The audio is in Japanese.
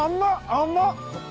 甘っ！